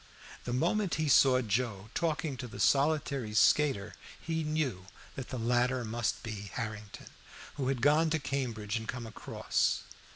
The moment he saw Joe talking to the solitary skater, he knew that the latter must be Harrington, who had gone to Cambridge and come across.